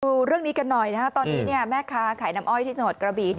ดูเรื่องนี้กันหน่อยนะครับตอนนี้แม่ค้าขายน้ำอ้อยที่จังหวัดกระบี